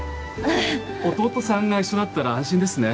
弟さんが一緒だったら安心ですね。